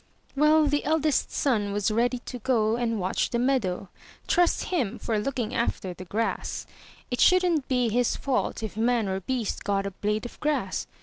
Well, the eldest son was ready to go and watch the meadow; tmst him for looking after the grass! It shouldn't be his fault if man or beast got a blade of grass.